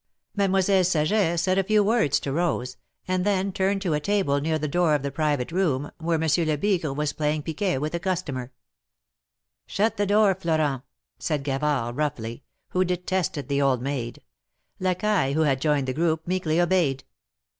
Mademoiselle Saget said a few words to Rose, and then turned to a table near the door of the private room, where Monsieur Lebigre was playing piquet with a customer. 138 THE MARKETS OF PARIS. Shut the door, FldrenV^ said Gavard, roughly, who detested the old maid. Laeaille, who had joined the group, meekly obeyed.